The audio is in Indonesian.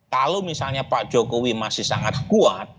kalau misalnya pak jokowi masih sangat kuat